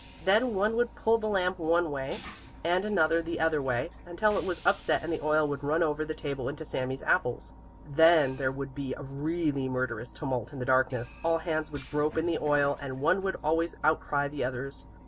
Then one would pull the lamp one way, and another the other way, until it was upset and the oil would run over the table into Sami's apples. Then there would be a really murderous tumult in the darkness; all hands would grope in the oil and one would always outcry the others.